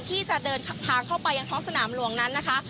ที่จะเดินทางเข้าไปยังท้องสนามหลวงนั้นนะคะ